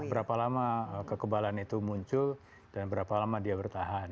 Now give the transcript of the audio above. berapa lama kekebalan itu muncul dan berapa lama dia bertahan